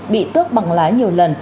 bị tước bằng lái nhiều lần